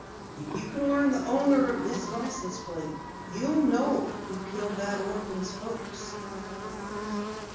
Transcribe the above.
"If you can learn the owner of this license plate, you'll know who killed that orphan's folks!"